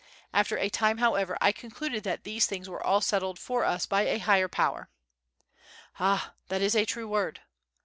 After a time, however, I concluded that these things were all settled for us by a higher Power. "Ah! that is a true word."